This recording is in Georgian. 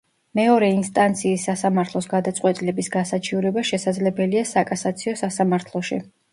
მეორე ინსტანციის სასამართლოს გადაწყვეტილების გასაჩივრება შესაძლებელია საკასაციო სასამართლოში.